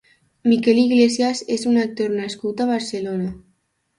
Mikel Iglesias és un actor nascut a Barcelona.